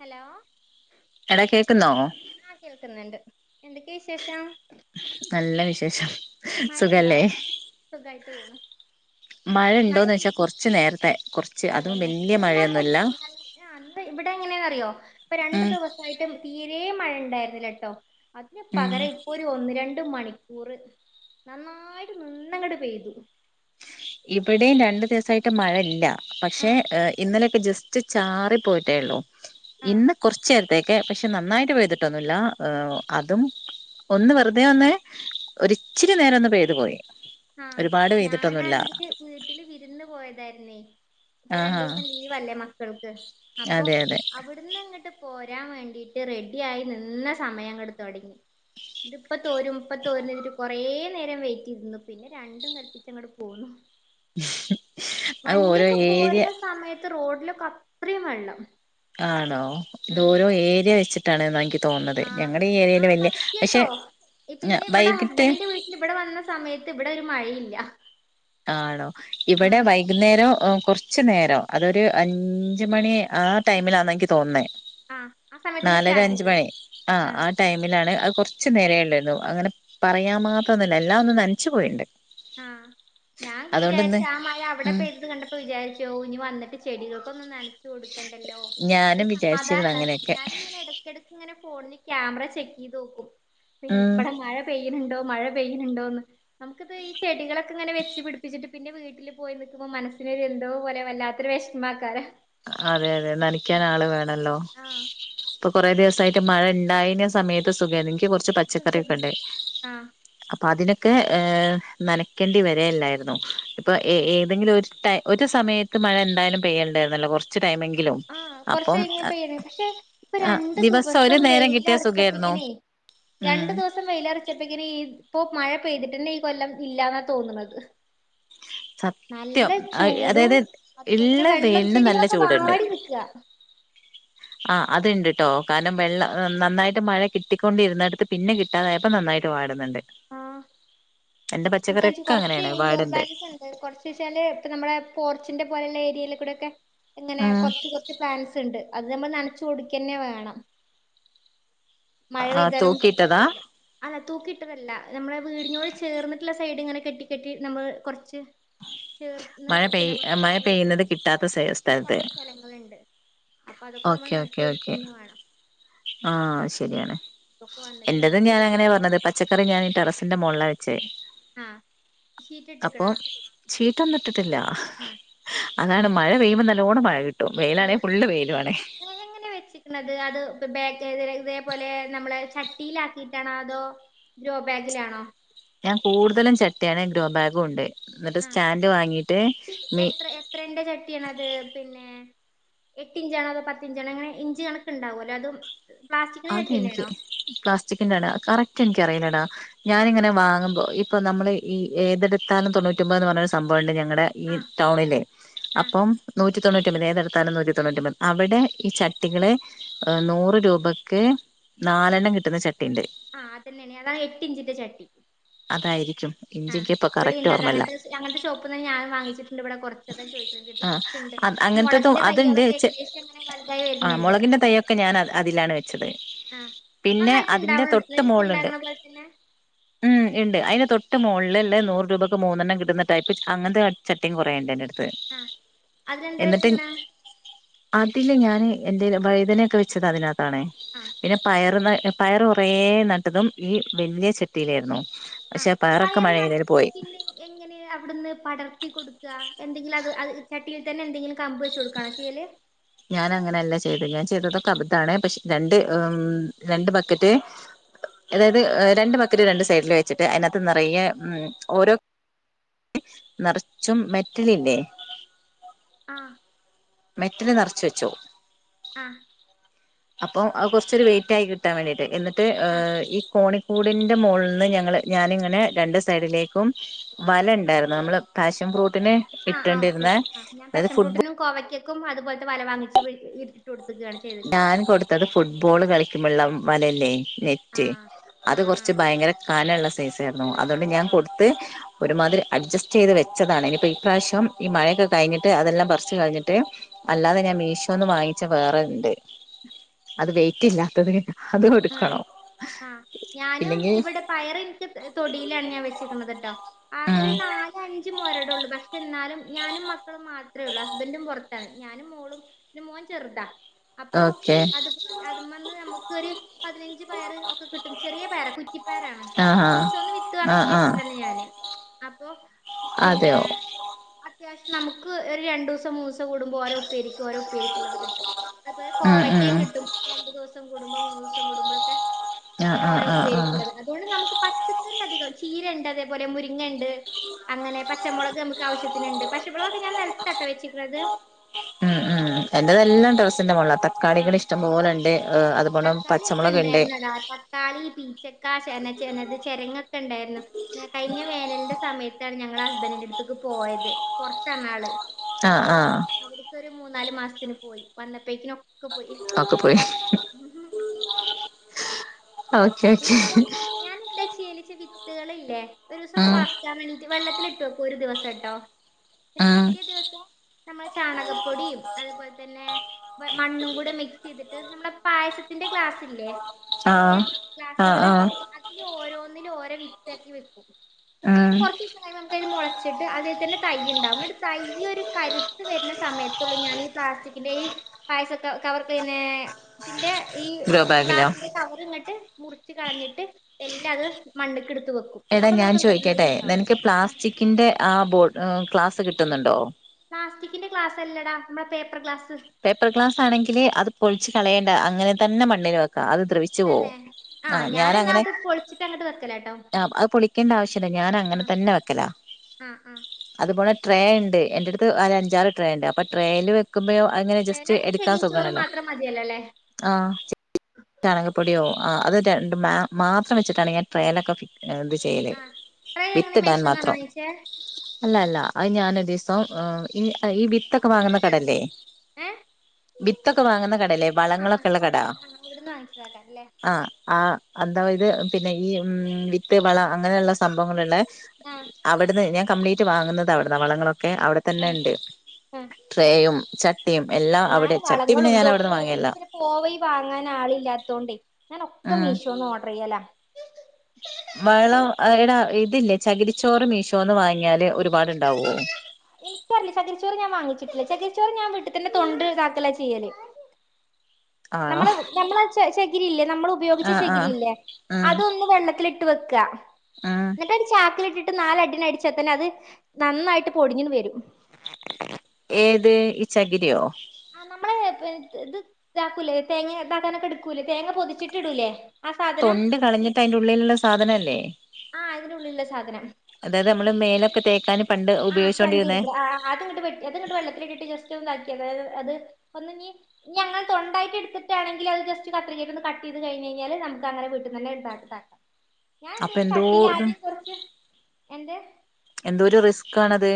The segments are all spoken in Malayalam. ഹലോ എടാ കേക്കുന്നോ ആഹ് കേൾക്ന്ന്ണ്ട് എന്തൊക്ക്യ വിശേഷം? ഷം മഴയുണ്ടോ സുഖല്ലേ. സുഖായിട്ട് പോണു മഴ മഴണ്ടോന്നെച്ചാ കൊർച്ച് നേര്ത്തെ അതന്നെ [unintelligible] ആന്ന് ഇവിടെ എങ്ങനെന്നറിയോ ഇപ്പൊ രണ്ടു ഉം ദിവസായിട്ട് തീരെ മഴയിണ്ടായ്ര്ന്നില്ല ട്ടോ അതിന് ഉം പകരം ഇപ്പൊ ഒരു ഒന്ന് രണ്ട് ണ്ട് മണിക്കൂറ് നന്നായിട്ട് നിന്നങ്ങട്ട് പെയ്തു ഇബടെ രണ്ട് ദിവസായിട്ട് മഴല്ല. പക്ഷേ ഇന്നലെയൊക്കെ ജസ്റ്റ് ചാറിപ്പോയിട്ടേള്ളൂ. ആഹ് ഇന്ന് കൊർച്ചെ ട്ടേക്കെ പക്ഷെ നന്നായിട്ട് പെയ്തിട്ടൊന്നുല്ല. അതും ഒന്ന് വെറ്തെ ഒന്ന് ഒരിച്ചിരി നേരൊന്ന് പെയ്തു പോയി. ആഹ് ഒരുപാട് പെയ്തിട്ടൊന്നുല്ല ഞാനാണെങ്കില് വീട്ടിൽ വിരുന്ന് പോയതായിര്ന്നേ ഇപ്പൊ ആഹാ രണ്ടുസം ലീവല്ലേ മക്കൾക്ക് അപ്പൊ അതെ അതെ അവിട്ന്ന് എങ്ങട്ട് പോരാൻ വേണ്ടിട്ട് റെഡിയായി നിന്ന സമയങ്ങട് തൊടങ്ങി ഇത്പ്പ തോരും ഇപ്പം തോരന്നരിതിട്ട് കൊറേ നേരം വെയിറ്റ് ചെയ്തിന്നു പിന്നെ രണ്ടും കൽപ്പിച്ചങ്ങട്ട് പോന്നു അത് ഓരോ വണ്ട്യെക്കെ ഏരിയ പോരുന്ന സമയത്ത് റോഡിലൊക് അത്രയും വെള്ളം ആണോ ഇത് ഉം ഓരോ ഏരിയ വെച്ചിട്ടാണ് വാങ്ങി ആഹ് ആഹ് സത്യാട്ടോ പിന്നെ ഇബടെ വൈകിട്ട് ഹസ്ബൻഡിഡന്റെ വീട്ടില് ഇബടെ വന്ന സമയത്ത് ഇവിടെ ഒരു മഴയില്ല ല്ല ആണോ ഇവിടെ വൈകുന്നേരം കൊറ്ച്ച് നേരം അതൊരു അഞ്ച് മണി ആ ടൈമിലാന്ന ഇൻക്ക് തോന്ന്ന്നേ ആഹ് ആ സമയത്തന്നെ നാലര സ്റ്റാർട്ട് ചെയ്തത് അഞ്ച്മണി ആ ആഹ് ആ ടൈമിലാണ് അഹ് കൊറ്ച്ച് കുറച്ച് നേരയുള്ളു അങ്ങനെ പറയാൻ മാത്രന്നുല്ല എല്ലാം ഒന്നും നനച്ചു പോയിണ്ട് ഉം ഞാൻ വിചാരിച്ച അതുകൊണ്ടിന്ന് ആ മഴ അവിടെ ഉം പെയ്തത് കണ്ടപ്പോ വിചാരിച്ചു ഓ ഇനി വന്നിട്ട് ചെടികൾ ഒന്ന് നനച്ച് കൊടുക്കണ്ടല്ലോ ഞാനും ഒരു വിചാരിച്ചിരുന്നു സമാധാനാണ് അങ്ങനെയൊക്കെ ഞാനിങ്ങനെ ഇടക്കിടക്ക് ഇങ്ങനെ ഫോണിൽ ക്യാമറ ചെക്കെയ്ത് നോക്കും പിന്നെ ഉം ഇവിടെ മഴ പെയ്യുന്നുണ്ടോ മഴ പെനണ്ടോന്ന് നമുക്കത് ചെടികളക്കെങ്ങനെ വെച്ച് പിടിപ്പിച്ചിട്ട് പിന്നെ വീട്ടിൽ പോയി നിൽക്കുമ്പൾ മനസ്സിനൊരു എന്തോ പോലെ വല്ലാത്തരു വിഷമാക്കാരെ അതെ അതെ നനക്കാൻ ആള് വേണല്ലോ ആഹ് ഇപ്പൊ കൊറേ ദിവസ റ്റായിട്ട് മഴ ഉണ്ടായിന സമയത്ത് സുഖായിനി നിക്ക് കൊറച്ച് കൊറച്ച് സുഖായിരുന്നു പച്ചക്കറ്യോക്കെണ്ട് ആഹ് അപ്പൊ അതിന് നനക്കേണ്ടി വരല്ലായിരുന്നു ഇപ്പൊ ഏതെങ്കിലും ഒരു ഒരു സമയത്ത് മഴ എന്തായാലും പെയ്യേണ്ട കൊറച്ച് ആ കൊറച്ച് കഴിങ്ങ പയ്യനെ പക്ഷെ ഇപ്പൊ ആഹ് രണ്ടു ഒരു ദിവസം നേരം കിട്ടിയ സുഖായിരുന്നു വെയിലറച്ചപ്പിക്കനേ ഉം രണ്ടു ദിവസം വെയിലറച്ചപ്പിക്കണേ ഇപ്പൊ ഇ മഴ പെയ്തിട്ടന്നെ ഈ കൊല്ലം ഇല്ലാന്നാ തോന്നണത്. നല്ല സത്യം ചൂടും അതായത് ഉള്ള വെലിനും നല്ല ചൂടുണ്ട് ക്ക ആ് അത്ണ്ട് കേട്ടോ കാരണം വെള്ളം നന്നായിട്ട് മഴ കിട്ടിക്കൊണ്ടിരുന്നിടുത്ത് പിന്നെ കിട്ടാതായപ്പോ നന്നായിട്ട് പാടുന്നുണ്ട് എന്റെ പച്ച എനിക്ക് കൊറച്ച് ഇൻഡോർ ബൻസ് ഉണ്ട് കുറച്ച്ച്ചാല് ഇപ്പ നമ്മുടെ പോർച്ചന്റെ പോലെയുള്ള ഏരിയയില കൂടെ ഒക്കെ എങ്ങനെ ഉം കൊറച്ച് കൊറച്ച് പ്ലാൻസ് ഉണ്ട് അത് നമ്മള് നന ചുടിക്കന്നെ വേണം. മഴ ആഹ് പെയ്താലും തൂക്കിയിട്ടതാ കിട്ടൂല അതാ തൂക്കിട്ടതല്ല നമ്മളെ വീടിനോട് ചേർന്ന് സൈഡ് ഇങ്ങനെ കെട്ടി കെട്ടി നമ്മള് കൊറച്ച് ചേർന്ന് മഴ പെയ് പിന്നെ മഴ കൊറച്ചച്ചി പെയ്യുന്നത് കിട്ടാത്ത സ്ഥലത്ത് കിട്ടാത്ത സ്ഥലങ്ങളുണ്ട് അപ്പൊ അതൊക്കെ നമ്മൾ ഓക്കെ നനച്ചു ഓക്കെ ഓക്കേ കൊടുക്കന്നെ വേണം ആഹ് ശരിയാണ് ഇതൊക്കെ വന്നിട്ട് എൻ്റത് നനച്ച് തന്ന്യാ ഞാാനങ്ങനെ റെഡിയാക്കി പറഞ്ഞത് പച്ചക്കറി ഞൻ ഈ ടെറസിന്റെ മോള് അ ശെ ആഹ് അപ്പോൾ ഷീറ്റിട്ട്ക്ക്ണാ ചീട്ടൊന് ഇട്ടിട്ടില്ല ആഹ് അതാണ് മഴ പെയ്യുമ്പ നല്ലോണം മഴ വെയിലാണെ നല്ല ഫുള്ളള് വയിൽ സുഖാണല്ലേ എങ്ങനെ വെച്ചിക്കണത് അത് ഇതേപോലെ നമ്മളെ ചട്ടിയിലാ ക്കിയിട്ടാണോ അതോ ഡ്രോ ബാഗിലാണോ ഞാൻ കൂടുതലും ചട്യാണ് ഗ്രോ ബാഗും ഉണ്ട് എന്നിട്ട് ആഹ് സ്റ്റാൻഡ് വാങ്ങിയിട്ട് ചട്ടി മി എത്ര എത്രൻ്റെ ചട്ടിയാണ് അത് പിന്നെ എട്ട് ഇഞ്ചാണോ അതോ പത്ത് ഇഞ്ചണോ അങ്ങനെ ഇഞ്ച് കണക്ക് ഉണ്ടാവുല്ലോ അതും പ്ലാസ്റ്റിക്കിന്റെ അതെ ചട്ടി എനിക്ക് തന്നെയാണോ പ്ലാസ്റ്റിക്കിന്റെണ് കറക്റ്റ് എനിക്ക് റയിനടാ [unintelligible] ആഹ് ഞാനിങ്ങനെ വാങ്ങുമ്പോ ഇപ്പ നമ്മള് ഈ ഏതെടുത്താലും തൊണ്ണൂറ്റിമ്പപതെന് പറഞ്ഞൊരു സംഭവുണ്ട് ഞ ണ [unintelligible] ഞങ്ങടെ ഈ ആഹ് ടൗണിലെ ആഹ് അപ്പം നൂറ്റി തൊണ്ണൂറ്റൊമ്പത് ഏതെടുത്താലും നൂറ്റി തൊണ്ണൂറ്റിമ്പത് അവിടെ ഈ ചട്ടികളെ നൂറ് രൂപ- ട്ടി നാലെണ്ണം കിട്ടുന്ന ചട്ട ആഹ അത്തന്നെയണ അതാ ഏട്ട് ഇഞ്ചിന്റെ ചട്ടി അതായിരിക്കും ആഹ് ഇഞ്ചിക്ക് ഇപ്പൊ ഇവിടെ കറക്റ്റ് ഇണ്ടത് ഓർമ്മല്ല അങ്ങനത്തെ അങ്ങനത്തെ ഷോപ്പ്ന്ന ഞാൻ വാങ്ങിച്ചിട്ടുണ്ട് ഇവിടെ കൊറച്ചതാ ചോദിക്കണത് ആ കൊറച്ചുണ്ട് അങ്ങനത്തെതും മുളകിന്റെ അതുണ്ട് കയ്യകളൊക്കെ ഏകദേശം അങ്ങനെ വലുതായി ആ വരരുന്നുണ്ട് മുളകിന്റെ തൈയൊക്കെ ഞാൻ അതിലാണ് വെച്ചത് ആഹ പിന്നെ നന്നായിട്ട് അതിന്റെ ഇണ്ടാവണണ്ട് തൊട്ട് നണ്ടണ പോലെ തന്നെ ഉണ്ട് അതിന്റെ തൊട്ട മുകളിൽല്ല നൂറ് രൂപക്ക് മൂന്നെണ്ണം കിട്ടുന്നടൈപ്പ് അങ്ങത്തെ ചട്ടയും കുറേുണ്ട് ആഹ അതെന്താ വെച്ചിക്കണ അതില്ല ഞാന് എൻന്റെ വഴുദനയൊക്കെ വെച്ചത അതിനകത്ത് ആണ ആഹ് പിന്നെ പയറ പയർ കുറേ നട്ടതും ഈ വലിയ ചെട്ടി കത്തിയിലായിരുന്നു ആ പയർ നട്ടട്ട് പിന്നെ എങ്ങനെ അവിടുന്ന് പടർത്തി കൊടുക്ക എന്തെങ്കില അ ചട്ടിയിൽ തന്നെ എന്തെങ്കിലും കമ്പ് വെച്ച് കൊടുക്കാണോ ചെയ്യല് ഞാൻ അങ്ങനെയല്ല ചെയ്ത ഞാൻ ചെയ്തക്കവിത്താണ് പക്ഷെ രണ്ട് രണ്ട് ബക്കറ്റ് അതായത് രണ്ട് ബക്കറ്റ് രണ്ട് സൈഡിൽ വെച്ചിട്ട് അതിനകത്ത് നിറയെ ഉ ഓരോ നിറച്ചും മെറ്റലല്ലേ ആഹ മെറ്റിന നിറച്ച വെച്ചോ ആഹ അപ്പൊ കുറച്ചൊരു വെയിറ്റ് ആയി കിട്ടാൻ വേണ്ടിട്ട് എന്നിട്ട് ആഹ് ഈ കോണി കൂടിന്റെ മുകളിൽ നിന്ന് ഞങ്ങള് ഞാനിങ്ങനെ രണ്ട് സൈഡിലേക്കും വല ഉണ്ടായിരുന്നു നമ്മള് പാഷൻ ഫ്രൂട്ട് ന് ആഹ് ആഹ് ഇട്ടണ്ടിരുന്ന അതായത് ഫുട്ബോൾ ും അതുപോലത്തെ വല വങ്ങിച്ച് ഇ കൊടു ഞാൻ കൊടുത്തത് ഫുട്ബോൾ കളിക്ക മുള്ള വലല്ലേ നെറ്റ് ആഹ് അത് ആഹ് കുറച്ച് ആഹ് ഭയങ്കര കാനുള്ള ശ [unintelligible] അതുകൊണ്ട് ഞാൻ ആഹ് കൊടുത്ത് ഒരുമാതിരി അഡ്ജസ്റ്റ് ചെയ്ത് വെച്ചതാണ് ഇനിയിപ്പൊ ഇപ്രാവശ്യം ഈ മഴയക്കെ കഴിഞ്ഞിട്ട് അെല്ലാം പറിച്ചച്ച് കഴിഞ്ഞിട്ട് അല്ലാതെ ഞാൻ മീഷോന്ന് വാങ്ങിച്ച വേറെ അത് വെയ്റ്റ് ഇല്ലാത്തത്. അത് ആ എടുക്കണം ആ ഞാനും ഇല്ലെങ്കിൽ ഇവിടെ പയർ എനിക്ക് തൊടിയിലാണ് ഞാൻ വെച്ചിരിക്കണത്ട്ടോ. ആകെ ഉം ഒരു നാല് അഞ്ച് മൊര ഒള്ളു, പക്ഷെ എന്നാലും ഞാനും മക്കളും മാത്രേ ഒള്ളൂ ഹസ്ബൻറും പൊറത്താണ് ഞാനും മോളും പിന്നെ മോൻ ചെറുതാ. അപ്പോ ഓക്കെ അത് അതുമ്മേന്ന് നമുക്കൊരു പതിനഞ്ച് പയർ ഒക്കെ കിട്ടു ചെറിയ പയറാ കുറ്റിപ്പയറാണ് ആഹ് മീശോന്ന് വിത്ത് ആഹ് ആഹ് ആഹ് വാങ്ങിച്ചുവെച്ചതാണ് ഞാനെ അപ്പൊ പിന്നെ അതെയോ അത്യാവശ്യം നമുക്ക് ഒരു രണ്ടൂസം മൂസം കൂടുമ്പ ഓരോപ്പേരിക്കും ഓരോപ്പേരിക് ള്ളത് കിട്ടും. അതുപോലെ ഉം കോവയ്ക്കേം ഉം കിട്ടും രണ്ടു ദിവസം കുടുമ്പം കൂടുമ്പഴൊക്കെ. ആഹ് അങ്ങനെ ആഹ് ഓരോ ആഹ് ആഹ് ഉപ്പരിക്കുള്ളത് അതുകൊണ്ട് നമുക്ക് പച്ചക്കറി അധികം ചീര ഇണ്ട് അതേ പോലെ മുരിങ്ങ ഇണ്ട് ണ്ട് അങ്ങനെ പച്ചമുളക് നമുക്ക് ആവശ്യത്തിനുണ്ട് പച്ചമുളകൊക്കെ ഞാൻ നെലത്താട്ടോ വെച്ചിക്കണത്. ഉം ഉം എന്റെതെല്ലാം ടെറസ്സിന്റെ മോളില തക്കാളികൾ ആഹ് ഇഷ്ടംപോലെ ഉണ്ട് അത് തക്കാളി ഒക്കെ ഉണ്ടായിരുന്നടാ തക്കാളി പീച്ചക്കാ ചേന ചേന അത് ചെരങ്ങ് ണ്ടായിരുന്നു ഞ കഴിഞ്ഞ വേനലിന്റെ സമയത്താണ് ഞങ്ങളാ ഹസ്ബൻഡിന്റെ അടുത്തേക്ക് പോയത് പൊറത്താനാള്. ആഹ് അപ്പോ ആഹ് അവിടുത്തരു മൂന്നാല് മാസത്തിന് പോയി വന്നപ്പേക്കിനും ഒക്കെ പോയി. ഓക്കെ ഓക്കെ ഇനിയിപ്പോ ഞാനെന്താ ചെയ്യല്? ചി വിത്തുകളില്ലേ ഒരുസം ഉം മൊളക്കാൻ വേണ്ടി വെള്ളത്തിലിട്ട് വെക്കും ഒരു ദിവസംട്ടോ ന്നിട്ട് ഉം പിറ്റേ ദിവസം നമ്മൾ ചാണകപ്പൊടീം അതുപോലെ തന്നെ മണ്ണും കൂടെ മിക്സ് ചെയ്തിട്ട് നമ്മള പായസത്തിന്റെ ഗ്ലാസില്ലേ ചെറിയ ആഹ് ആഹ് ഗ്ലാസ്സുകള് ആഹ് അതിലോരോന്നിലും ഓരോ വിത്തക്കി വെക്കും അപ്പൊ ഉം കൊറച്ചീസം കഴ്യുമ്പത്തേന് മൊളച്ചിട്ട് അതേൽ തന്നെ തൈ ഉണ്ടാവും ന്നിട്ട് തൈ ഒരു കരുത്ത് വരുന്ന സമയത്തുള്ളൂ ഞാൻ ഈ പ്ലാസ്റ്റിക്കിന്റെ ഈ പായസൊക്കെ കവർ പിന്നെ ഇതിന്റെ ഈ ഗ്രോ ബാഗിലോ ഗ്ലാസിന്റെ കവർ ഇങ്ങട്ട് മുറിച്ചുകളഞ്ഞിട്ട് എല്ലാം അത് മണ്ണൊക്കെ എടുത്ത് വെക്കും എടാ അപ്പൊ ഞാൻ നമുക്ക് ചോയ്ക്കട്ടെ നന്നായിട്ട് നിനക്ക് ഇണ്ടാവും പ്ലാസ്റ്റിക്കിന്റെ ആ ബോട്ട് അ ക്ലാസ് കിട്ടുന്നുണ്ടോ? പ്ലാസ്റ്റിക്കിന്റെ ഗ്ലാസ്സല്ലെടാ മ്മടെ പേപ്പർ ഗ്ലാസ്. പേപ്പർ ഗ്ലാസ് ആണെങ്കില് അത് പൊളിച്ച് കളയേണ്ട അങ്ങനെ തന്നെ മണ്ണില് വെക്കാം. അത് ദ്രവിച്ചു തന്നെ പോവും, ആ ആഹ് ഞാൻ എന്നാ ഞാനങ്ങനെ, അത് പൊളിച്ചിട്ട് അങ്ങട്ട് വെക്കലാട്ടോ ആ അത് പൊളിക്കണ്ട ആവശ്യല്ല, ഞാൻ അങ്ങനെ ആഹ് തന്നെ വെക്കലാ ആഹ് ആഹ് അതുപോലെ ട്രേ ഇണ്ട് എന്റെ അടുത്ത് ഒരഞ്ചാറ് ട്രേയിണ്ട് അപ്പോ ട്രേയിൽ വെക്ക്മ്പോൾ അങ്ങനെ ജസ്റ്റ് വേലാണെങ്കി എടുക്കാൻ ചകിരിച്ചോറ് സുഖണല്ലോ മാത്രം മതിയല്ലോ അല്ലേ ആ ചാണകപൊടിയോ ആ റ്റ് രണ്ട് മ മാത്രം വെച്ചിട്ടാണ് ഞാൻ ട്രേലൊക്കെ ഫി അത് ചെയ്യല് ആഹ് റയ് എങ്ങനെ വിത്തിടാൻ മേശന്നാണോ മാത്രം വാങ്ങിച്ചേ അല്ല അല്ല അത് ഞാൻ ഉദേശ് സോ ആ ഇനി ഈ വിത്തൊക്കെ വാങ്ങുന്ന കടല്ലേ ഏഹ് വിത്തൊക്കെ വാങ്ങുന്ന കടല്ലേ ആഹ് ആഹ് വളങ്ങളൊക്കെള്ള കട അവിടെണ്ട് ആഹ് അവിടുന്ന് വാങ്ങിച്ചതാക്കാരം ല്ലേ ആ ആ അ എന്താവിത് പിന്നെ ഈ ഉ ഉം വിത്ത് വള അങ്ങനെയുള്ള സംഭവങ്ങളുള്ള ആഹ് അവിടുന്ന് ഞാൻ കംപ്ലീറ്റ് വാങ്ങുന്ന തവിടെ ന്നാ വളങ്ങളൊ ക്കെ അവിടെ തന്നെ ആഹ് ഉണ്ട് ട്രേയും എല്ലാം അവിടെ ഞാന് ചട്ടി പിന്നെ വളങ്ങളും ഞാൻ അവിടുന്ന് തുവൊക്കെ വാങ്ങിയല്ല എനിക്ക് പിന്നെ പോവയി വാങ്ങാൻ ആളില്ലാത്തോണ്ടേ ഞാനൊക്കെ ഉം മീഷോന്ന് ഓഡ്റ് ചെയ്യലാ വളം അതെടാ ഇതില്ലേ ചകിരിച്ചോറ് മീഷോന്ന് വാങ്ങിയാല് ഒരുപാടുണ്ടാവോ എനിക്കറില്ല ചകിരിച്ചോറ് ഞാൻ വാങ്ങിച്ചിട്ടില്ല ചകിരിച്ചോറ് ഞാൻ വീട്ടു തന്നെ തൊണ്ട് ഇതാക്കല ചെയ്യല് ആണോ നമ്മള് നമ്മള് ചെ ചെകിരി ഇല്ലേ നമ്മള് ഉപയോഗിച്ച ആഹ് ചെകിരി ആഹ് ഇല്ലേ ഉം അതൊന്ന് വെള്ളത്തിട്ട് വെക്ക ഉം ന്നിട്ട് ഒരു ചാക്കിലിട്ടിട്ട് ട്ട് നാലടിന അടിച്ച തന്നെ അത് നന്നായിട്ട് പൊടിഞ്ഞിത് വരും ഏത് ഈ ചകിരിയോ നമ്മള് ഇത് ഇതാക്കൂലേ തേങ്ങ ഇതാക്കാനൊക്കെ എടുക്കൂലേ തേങ്ങ പൊതിച്ചിട്ട് ഇടൂലേ ആ സാധനം തൊണ്ട് കളഞ്ഞിട്ട് അതിന്റെ ഉള്ളിലുള്ള സാധനല്ലേ ആ അതിനുള്ളിലുള്ള സാധനം അതായത് നമ്മള് മേലൊക്കെ തേ ആ ചണ്ടിട്ക്കണ ആ ആ അതങ്ങട്ട് വെ എതങ്ങട്ട് വെള്ളത്തിലിട്ടിട്ട് ജസ്റ്റ് ഒന്ന് അ ക്ക് അതായത് അത് ഒന്ന് ഞ്ഞി ഞ്ഞി അങ്ങനെ തൊണ്ടായിട്ട് എടുത്തിട്ടാണെങ്കിൽ അത് ജസ്റ്റ് കത്രികക്ക് ഒന്ന് കട്ട് ചെയ്ത് കഴിഞ്ഞ് കഴിഞ്ഞാല് നമുക്ക് അങ്ങനെ വീട്ട്ന്ന്ന്നെണ്ടാക്കാം ഞാൻ അപ്പൊ എന്തുചെയ്യും എന്തോ ഇതും ചട്ടിയിലാദ്യം കൊറച്ച് എന്ത് കാണതെ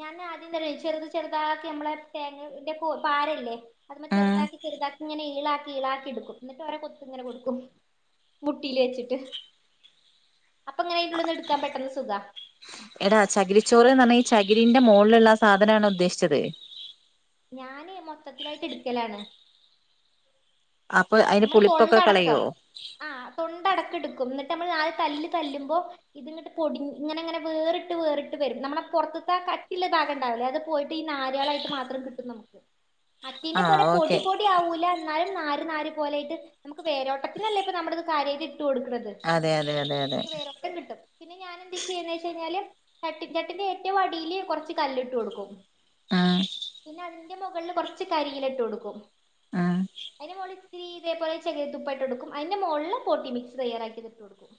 ഞാൻ ആദ്യം തല്ലേ ചെറുത് ചെറുതാക്കി നമ്മളെ തേങ്ങന്റെ കു പാരല്ലേ അത് മ്മ ഉം ചെറുതാക്കി ചെറുതാക്കിങ്ങനെ ഈളാ കീളാക്കിടുക്കും എന്നിട്ട് ഒരെ കൊത്ത് ഇങ്ങനെ കൊടുക്കും മുട്ടിയില് വെച്ചിട്ട് അപ്പൊ എങ്ങനെ ആയിന്റെള്ളിന്ന് എടുക്കാൻ പെട്ടന്ന് സുഖ എടാ ചകിരിച്ചോറ്ന്ന് പറഞ്ഞാ ഈ ചകിരിന്റെ മോളിലുള്ള സാധനാണോ ഉദ്ദേശിച്ചത് ഞാന് മൊത്തത്തിലായിട്ട് ട്ക്കലാണ് അപ്പൊ അതിന്റെ നമ്മള് പുളിപ്പൊക്കെ തൊണ്ടടക്കം കളയോ ആ തൊണ്ടടക്കം ട്ക്കും ന്നി ഞമ്മള് നാല് തല്ല് തല്ലുമ്പോ ഇതിങ്ങട്ട് പൊടി ഇങ്ങനെ ഇങ്ങനെ വേറിട്ട് വേറിട്ട് വരും നമ്മള പൊറത്തത്തെ ആ കട്ടിയ്ള്ള ഭാഗണ്ടാവല്ലേ അത് പോയിട്ട് ഈ നാര്ളായിട്ട് മാത്രം കിട്ടും നമുക്ക് മറ്റേയിന്റെ ആഹ് പോലെ പൊടി ഓക്കെ പൊടി ആവൂല എന്നാലും നാ ഒരു കാര്യം അതു പോലെ ഇത് നമുക്ക് വേരോട്ടത്തിനല്ലേ ഇത് നമ്മുടെ കാര്യ ഇട്ടുകൊടുക്ണത് അതെ അതെ അതെ അതെ നമുക്ക് വേറെൊക്കം കിട്ടും പിന്നെ ഞാൻ എന്താ ചെയ്യുന്നെച്ചു കഴിഞ്ഞാല് ചട്ടി ചട്ടിന്റെ ഏറ്റവും അടിയില് കുറച്ചു കല്ലിട്ട് കൊടുക്കും ആ പിന്നെ അതിന്റെ മുകളിൽ കുറച്ച് കരിയില ഇട്ട് കൊടുക്കും ആഹ് അയിനു മോളിൽ ഇത്തിരി ഇതേപോലെ ചെറിയ ന്തുപ്പിട്ടു കൊടുക്കും അതിന്റെ മോളില് പോട്ടി മിക്സ് തയ്യറാക്കി യതിട്ടു കൊടുക്കും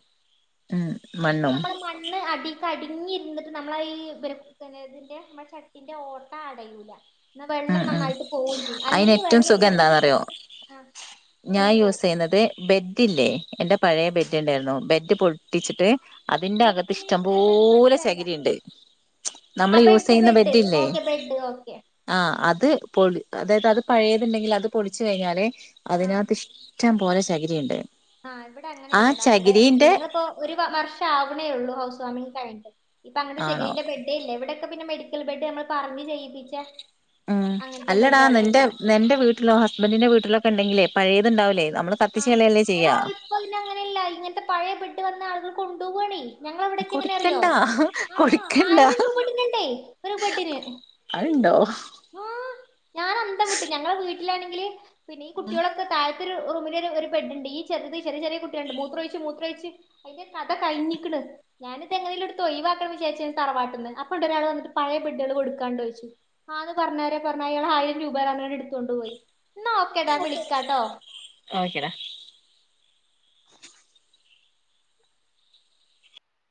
ഉം ഇത് മണ്ണും നമ്മടെ മണ്ണ് അടി കടിഞ്ഞിരുന്നിട്ട് നമ്മള ഈ പിന്നെ ഇതിന്റെ മൺ ചട്ടിന്റെ ഓട്ട അടയൂല എന്ന ഉം വെള്ളം ഉം നന്നായിട്ട് പോവുകയും ചെയ്യും അയിന് അല്ലെങ്കിൽ ഏറ്റവും വെള്ളം സുഖം കെട്ടി എന്താന്നറിയോ നിന്നിട്ട് ആ ഞാൻ യൂസ് ചെയ്യുന്നത് ബെഡില്ലേ എന്റെ പഴയ ബെഡ് ഉണ്ടായിരുന്നു ബെഡ് പൊട്ടിച്ചിട്ട് അതിന്റെ ബെറ്റ് അകത്ത് മീൻസ് എന്താന്ന് എനിക്ക് ഇഷ്ടംപോലെ മനസ്സിലായില്ല ചകിരി ഉണ്ട് മ്മ് ചും നമ്മൾ ആ യൂസ് ബെഡ് ചെയ്യുന്ന ബെഡ് ബെഡ്ഡ് ഇല്ലേ ഓക്കെ ബെഡ് ഓക്കെ ആ അത് പൊളി അതായത് അത് പഴയതുണ്ടെങ്കിൽ അത് പൊളിച്ച് കഴിഞ്ഞാലേ ആഹ് അതിനാത്ത് ഇഷ്ടം പോലെ ചകിരയുണ്ട് ആഹ് ഇവിടെ അങ്ങനെല്ലടാ ഇവിടെ ഇല്ല ഞങ്ങിപ്പോ ഒരു വർഷം ആവണേ ഉള്ളൂ ഹൗസ് വാമിങ് രണ്ട് ഇപ്പ അങ്ങനെ ആണോ ചകരിന്റെ ബെഡേ ഇല്ല ഇവിടെക്കെ പിന്നെ മേടി ഒരിക്കൽ ബെഡ് നമ്മള് പറഞ്ഞ് ചെയ്യിപ്പിച്ചേ ഉം അല്ലടാ നിന്റെ നിന്റെ വീട്ടിലോ ഹുസ്ബന്റിന്റെ വീട്ടിലോക്കെ ഉണ്ടെങ്കിലേ പഴയതുണ്ടാവില്ലേ ആഹ എടാ ഇപ്പൊ അതിന് അങ്ങനെയില്ല ഇങ്ങനത്തെ പഴയ ബെഡ് വന്ന അതും കുണ്ടുമണി ഞങ്ങടവിടൊക്കെ എങ്ങനാനറിയോ കൊടുക്കണ്ടാ ആ കൊടുക്കണ്ടാ ആയിരം രൂപ കിട്ടുന്നുണ്ടേ ഒരു ബെഡിന്... അത്ണ്ടോ ആ ഞാൻ അന്തംവിട്ട് ഞങ്ങളടെ വീട്ടിലാണെങ്കില് പിന്നെ കുട്ട്യോളൊക്കെ താഴെ ഒരു റൂമി ഒരു ബെഡുണ്ട് ഈ ചെറുത് ചെറിയ ചെറിയ കുട്ടിയുണ്ട് മൂത്രം ഉഴിച്ച് മൂത്രം ഉഴിച്ച് അതിന്റെ കഥ കഴിഞ്ഞിരിക്കണ് ഞാനത് എങ്ങനേലും എടുത്ത് ഒയിവാകണെന്നു വിച്ചാരിച്ച് തറവാട്ടിന് അപ്പം ഉണ്ട് ഒരാളെ വന്നിട്ട് പഴയ ബെഡ്കള് കൊടു കാനുണ്ടോന്ന് ചോദിച്ച് ആള് പറഞ്ഞത് പറഞ്ഞു ആയിരം രൂപ തരാന്നു പറഞ്ഞ് എടുത്തോണ്ട് പോയി നോകെടാ വിളിക്കാട്ടോ ഓക്കെടാ